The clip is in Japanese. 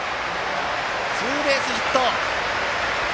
ツーベースヒット！